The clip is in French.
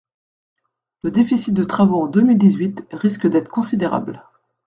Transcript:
Le déficit de travaux en deux mille dix-huit risque d’être considérable.